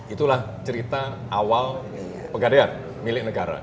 itulah cerita awal pegadaian milik negara